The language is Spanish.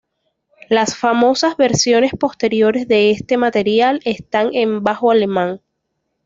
Las famosas versiones posteriores de este material están en bajo alemán.